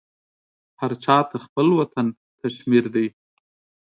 هر چا ته خپل وطن کشمیر دی.